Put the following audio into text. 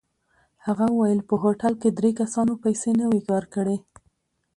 هغه وویل په هوټل کې درې کسانو پیسې نه وې ورکړې.